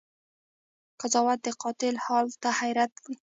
قضاوت د قاتل حال ته حيرت وړی